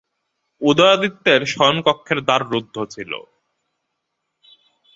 উদয়াদিত্যের শয়নকক্ষের দ্বার রুদ্ধ ছিল।